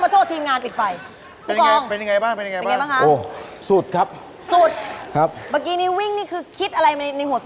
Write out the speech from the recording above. ตักเอาเยอะแต่วิ่งหลายรอบ